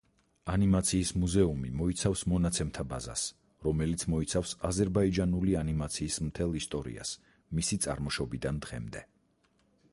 ანიმაციის მუზეუმი მოიცავს მონაცემთა ბაზას, რომელიც მოიცავს აზერბაიჯანული ანიმაციის მთელ ისტორიას მისი წარმოშობიდან დღემდე.